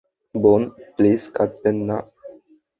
বোন, প্লিজ কাঁদবেন না।